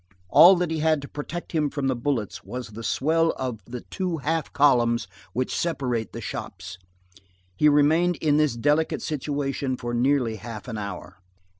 All that he had to protect him from the bullets was the swell of the two half columns which separate the shops; he remained in this delicate situation for nearly half an hour.